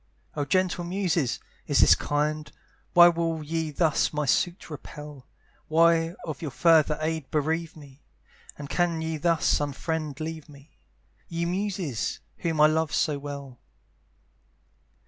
Oh gentle muses! is this kind? Why will ye thus my suit repel? Why of your further aid bereave me? And can ye thus unfriended leave me? Ye muses! whom I love so well.